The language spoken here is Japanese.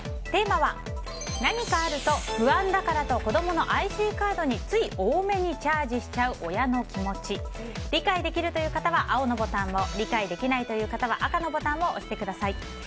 テーマは何かあると不安だからと子供のＩＣカードについ多めにチャージしちゃう親の気持ち理解できるという方は青のボタンを理解できないという方は赤のボタンを押してください。